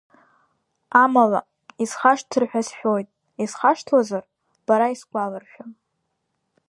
Амала, исхашҭыр ҳәа сшәоит, исхашҭуазар, бара исгәаларшәа.